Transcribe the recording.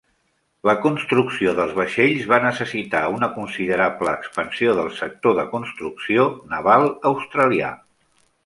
La construcció dels vaixells va necessitar una considerable expansió del sector de construcció naval australià.